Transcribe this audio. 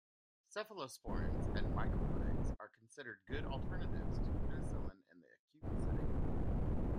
Cephalosporins and macrolides are considered good alternatives to penicillin in the acute setting.